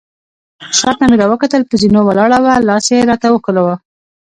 شاته مې راوکتل، په زینو کې ولاړه وه، لاس يې راته وښوراوه.